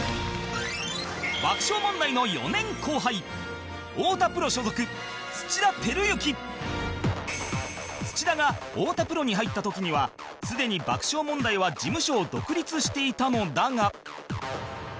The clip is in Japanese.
爆笑問題の土田が太田プロに入った時にはすでに爆笑問題は事務所を独立していたのだが